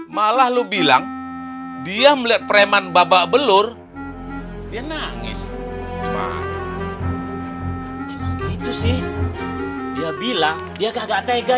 malah lu bilang dia melihat kreman babak belur dia nangis emang gitu sih dia bilang dia kagak tega